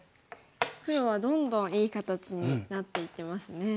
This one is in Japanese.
黒はどんどんいい形になっていってますね。